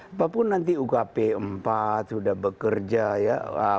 apapun nanti ukp empat sudah bekerja ya